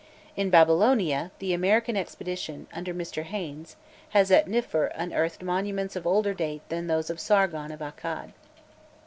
In Babylonia, the American Expedition, under Mr. Haines, has at Niffer unearthed monuments of older date than those of Sargon of Accad.